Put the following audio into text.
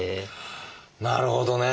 なるほどね。